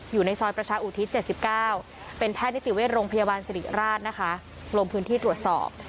อยู่ในซอยประชาอุทิศ๗๙เป็นแพทย์นิติเวชโรงพยาบาลสิริราชนะคะลงพื้นที่ตรวจสอบ